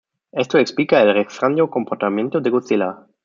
Esto explica el extraño comportamiento de Godzilla.